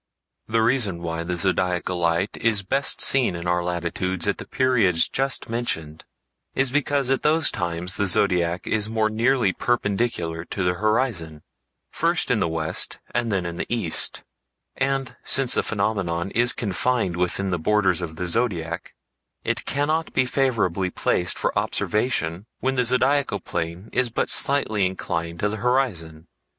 The reason why the Zodiacal Light is best seen in our latitudes at the periods just mentioned is because at those times the Zodiac is more nearly perpendicular to the horizon, first in the west and then in the east; and, since the phenomenon is confined within the borders of the Zodiac, it cannot be favorably placed for observation when the zodiacal plane is but slightly inclined to the horizon.